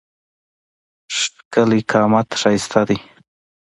ښکېلی قامت ښایسته دی.